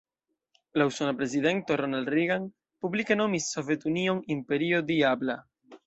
La usona prezidento Ronald Reagan publike nomis Sovetunion, "imperio diabla".